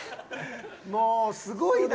もうすごいな。